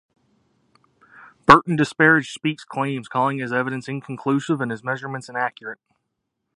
Burton disparaged Speke's claims, calling his evidence inconclusive and his measurements inaccurate.